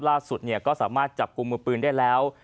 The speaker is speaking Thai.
ล่าสุดก็สามารถจับกลุ่มมือปืนได้แล้ว